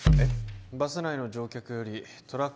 バス内の乗客よりトラック